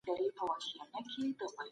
ځینې ناروغان ادارو ته دوامداره لېږدول کېږي.